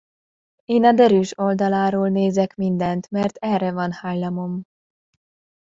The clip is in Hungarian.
Én a derűs oldaláról nézek mindent, mert erre van hajlamom.